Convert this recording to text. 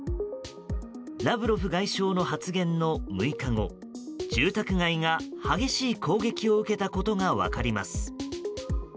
ラブロフ外相の発言の６日後住宅街が激しい攻撃を受けたことが分かります。